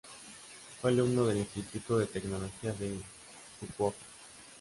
Fue alumno del Instituto de Tecnología de Fukuoka.